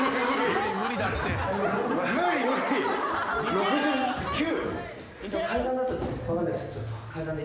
６９！？